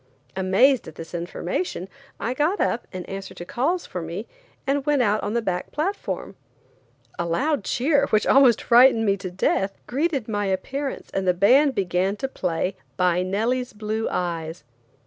Amazed at this information I got up, in answer to calls for me, and went out on the back platform. A loud cheer, which almost frightened me to death, greeted my appearance and the band began to play "By Nellie's Blue Eyes."